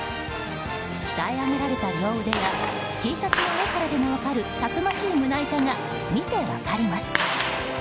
鍛え上げられた両腕やＴシャツの上からでも分かるたくましい胸板が見て分かります。